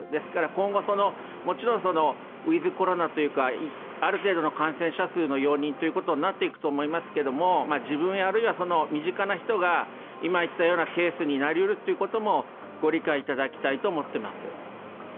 今後、もちろんウィズ・コロナというかある程度の感染者数の容認ということになっていくと思いますけども自分あるいは身近な人が今言ったようなケースになり得るということも、ご理解いただきたいと思っています。